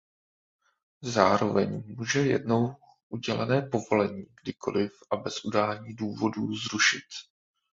Zároveň může jednou udělené povolení kdykoliv a bez udání důvodů zrušit.